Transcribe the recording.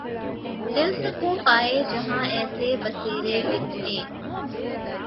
دل سکوں پائے جہاں ایسے بسیرے کتنے